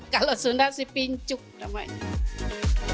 kalau sunda sih pincuk namanya